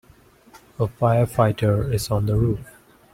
A firefighter is on the roof.